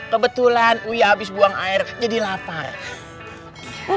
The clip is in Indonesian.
kebetulan wih habis buang air jadi lapar